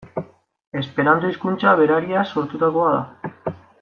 Esperanto hizkuntza berariaz sortutakoa da.